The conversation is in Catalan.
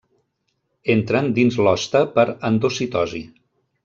Entren dins l'hoste per endocitosi.